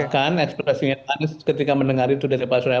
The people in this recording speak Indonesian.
dan ekspresinya pak anies ketika mendengar itu dari pak surya